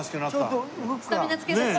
スタミナつけたし。